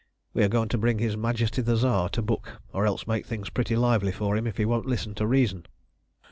We are going to bring his Majesty the Tsar to book, or else make things pretty lively for him if he won't listen to reason."